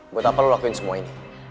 buat apa lo lakuin semua ini